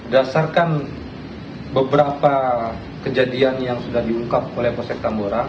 dasarkan beberapa kejadian yang sudah diungkap oleh konsep tamboran